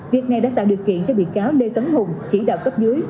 việc này đã tạo điều kiện cho bị cáo lê tấn hùng chỉ đạo cấp dưới